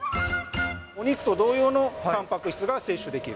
お肉と同様のたんぱく質が摂取できる。